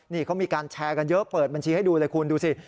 นี่เขามีการแชร์กันเยอะเปิดบัญชีให้ดูเลยคุณดูสิ